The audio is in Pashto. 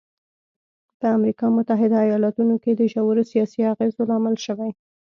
په امریکا متحده ایالتونو کې د ژورو سیاسي اغېزو لامل شوی.